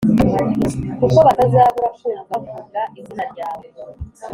kuko batazabura kumva bavuga izina ryawe